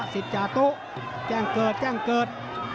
จาตุแจ้งเกิดแจ้งเกิด